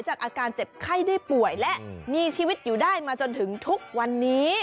อาการเจ็บไข้ได้ป่วยและมีชีวิตอยู่ได้มาจนถึงทุกวันนี้